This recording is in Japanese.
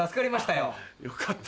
よかった。